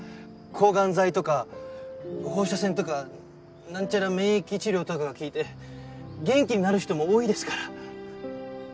抗がん剤とか放射線とかなんちゃら免疫治療とかが効いて元気になる人も多いですから！